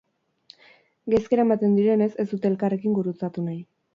Gaizki eramaten direnez, ez dute elkarrekin gurutzatu nahi.